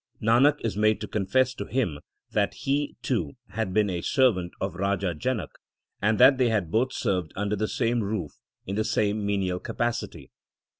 Nanak is made to confess to him that he, too, had been a servant of Raja Janak, and that they had both served under the same roof in the same menial capacity.